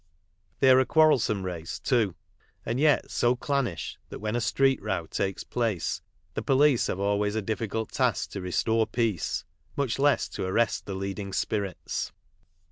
They are a quarrelsome race, too, and yet so clannish that when a street row takes place the police have always a difficult task to restore peace, much less to arrest the leading spirits.